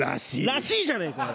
「らしい」じゃねえかよ！